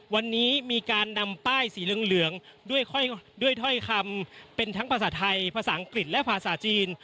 วันนี้มีการนำป้ายสีเหลืองด้วยถ้อยคำเป็นทั้งภาษาไทยภาษาอังกฤษและภาษาจีน